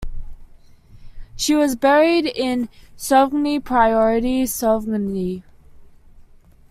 She was buried in Souvigny Priory, Souvigny.